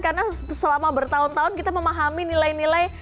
karena selama bertahun tahun kita memahami nilai nilai